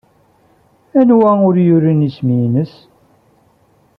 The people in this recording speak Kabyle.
Anwa ur yurin isem-nnes?